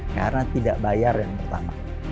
karena tidak bayar yang pertama